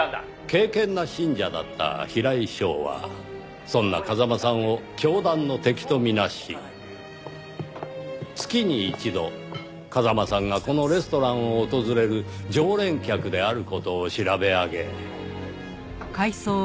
敬虔な信者だった平井翔はそんな風間さんを教団の敵と見なし月に一度風間さんがこのレストランを訪れる常連客である事を調べ上げ。